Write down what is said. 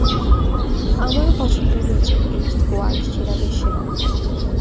আমারও পছন্দ হয়েছে, এলিট স্কোয়াড, সেরাদের সেরা।